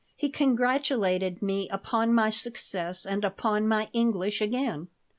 He congratulated me upon my success and upon my English again.